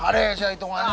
adeh si aitung aja